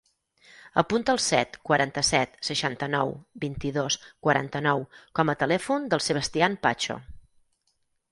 Apunta el set, quaranta-set, seixanta-nou, vint-i-dos, quaranta-nou com a telèfon del Sebastian Pacho.